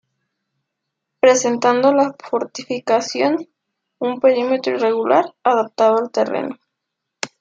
Presentando la fortificación un perímetro irregular, adaptado al terreno.